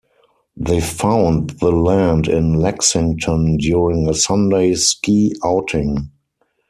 They found the land in Lexington during a Sunday ski outing.